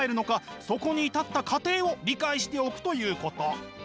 そこに至った過程を理解しておくということ。